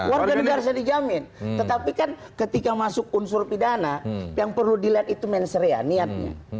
warga negara saya dijamin tetapi kan ketika masuk unsur pidana yang perlu dilihat itu menseria niatnya